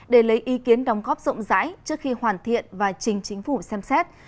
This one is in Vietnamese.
để lấy ý kiến đóng góp rộng rãi trước khi hoàn thiện và trình chính phủ xem xét